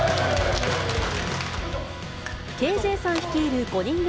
Ｋｊさん率いる５人組